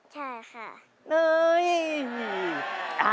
ใช่ค่ะ